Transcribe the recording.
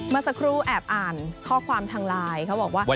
เมื่อสักครู่แอบอ่านข้อความทางไลน์เขาบอกว่า